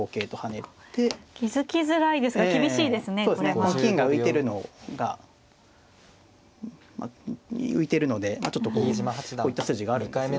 この金が浮いてるのが浮いてるのでちょっとこうこういった筋があるんですよね。